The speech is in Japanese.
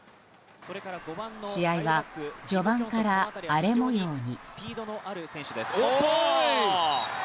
試合は序盤から荒れ模様に。